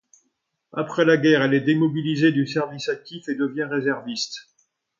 Après la guerre, elle est démobilisée du service actif et devient réserviste.